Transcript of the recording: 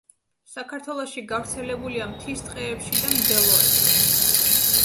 საქართველოში გავრცელებულია მთის ტყეებში და მდელოებზე.